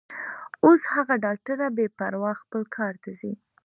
اوس هغه ډاکټره بې پروا خپل کار ته ځي.